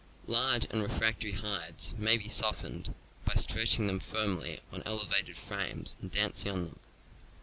Large and refractory hides may be softened by stretching them firmly on elevated frames and dancing on them.